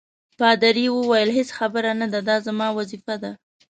پادري وویل: هیڅ خبره نه ده، دا زما وظیفه ده.